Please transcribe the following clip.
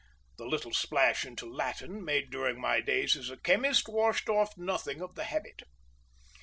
The little splash into Latin made during my days as a chemist washed off nothing of the habit.